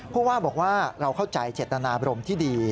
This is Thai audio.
เพราะว่าเราเข้าใจเฉศดารณาบรมที่ดี